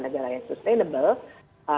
negara yang sustainable